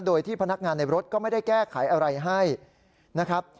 โดยที่พนักงานในรถก็ไม่ได้แก้ไขอะไรให้นะครับ